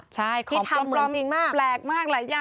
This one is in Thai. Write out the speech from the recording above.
ใช่ของปลอมจริงมากหลายอย่างที่ทำปลอมแปลกมาก